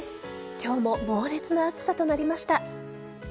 今日も猛烈な暑さとなりました。